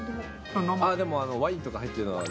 でも、ワインとか入ってるのはだめ。